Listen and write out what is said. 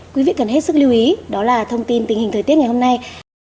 quý vị cần hết sức lưu ý đó là thông tin tình hình thời tiết ngày hôm nay